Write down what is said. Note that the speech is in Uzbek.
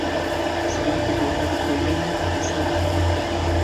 Sigiri xuddi o‘rgatib qo‘ygandek egasidan nari ketmaydi.